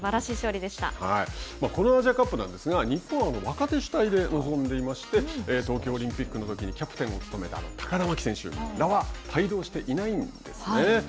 このアジアカップなんですが日本は若手主体で臨んでいまして東京オリンピックのときにキャプテンを務めた高田真希選手らは帯同していないんですね。